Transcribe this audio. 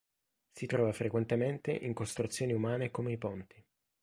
Si trova frequentemente in costruzioni umane come i ponti.